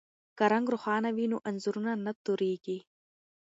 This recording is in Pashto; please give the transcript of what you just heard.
که رنګ روښانه وي نو انځور نه توریږي.